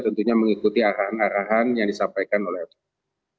tentunya mengikuti arahan arahan yang disampaikan oleh fpi